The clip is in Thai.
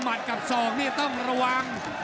หมัดกับซองนี่ต้องระวัง